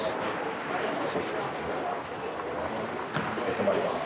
止まります。